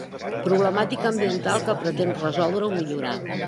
Problemàtica ambiental que pretén resoldre o millorar.